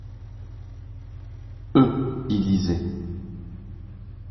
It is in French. Eux, ils lisaient.